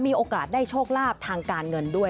มีโอกาสได้โชคลาภทางการเงินด้วย